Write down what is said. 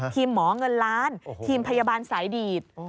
หมอเงินล้านทีมพยาบาลสายดีด